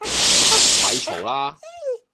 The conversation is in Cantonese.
咪嘈啦